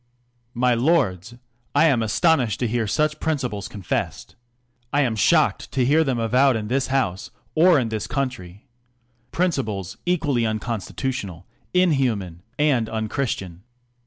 '' My Lohds, I AM astonished to hear such principles confessed! I am shocked to hear them avowed in this House, or in this country ! Princi j)les, equally unconstitutional, iirimman, and unchristian!